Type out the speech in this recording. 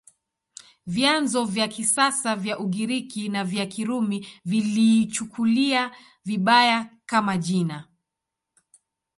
Vyanzo vya kisasa vya Ugiriki na vya Kirumi viliichukulia vibaya, kama jina.